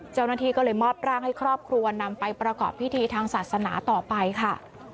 เจ้าหน้าที่ก็เลยมอบร่างให้ครอบครัวนำไปประกอบพิธีทางศาสนาต่อไปค่ะ